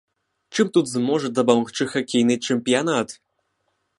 Чым тут зможа дапамагчы хакейны чэмпіянат?